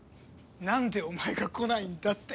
なんでお前が来ないんだって。